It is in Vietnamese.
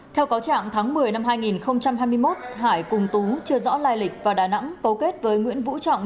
theo cáo trạng tháng một mươi năm hai nghìn hai mươi một hải cùng tú chưa rõ lai lịch vào đà nẵng cấu kết với nguyễn vũ trọng